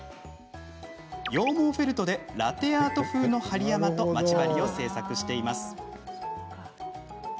羊毛フェルトでラテアート風の針山とまち針を製作しています。